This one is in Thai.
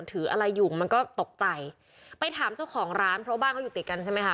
ถืออะไรอยู่มันก็ตกใจไปถามเจ้าของร้านเพราะบ้านเขาอยู่ติดกันใช่ไหมคะ